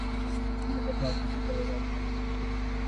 তিনি প্রথমে একটি পিতলের কারখানা স্থাপন করেন।